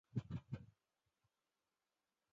小小斑叶兰为兰科斑叶兰属下的一个种。